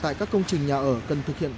tại các công trình nhà ở cần thực hiện